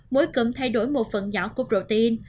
mỗi cụm thay đổi một phần nhỏ của protein